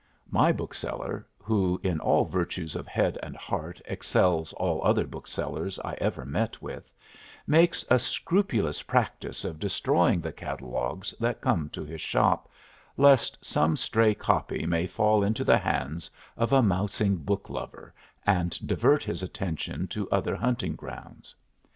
My bookseller, who in all virtues of head and heart excels all other booksellers I ever met with, makes a scrupulous practice of destroying the catalogues that come to his shop, lest some stray copy may fall into the hands of a mousing book lover and divert his attention to other hunting grounds.